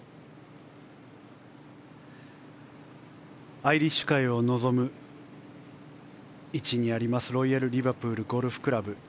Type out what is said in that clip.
アイリッシュ海を望む位置にありますロイヤルリバプールゴルフクラブ。